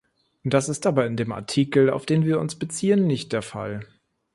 Das ist aber in dem Artikel, auf den wir uns beziehen, nicht der Fall.